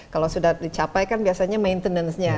kalau sudah dicapai kan biasanya maintenancenya